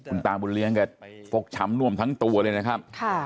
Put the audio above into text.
คุณตาบุญเลี้ยงแกฟกช้ำน่วมทั้งตัวเลยนะครับ